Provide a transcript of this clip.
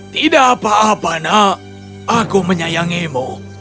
tidak apa apa nak aku menyayangimu